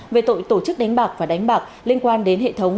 về tội tổ chức đánh bạc và đánh bạc liên quan đến hệ thống